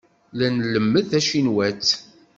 La nlemmed tacinwat.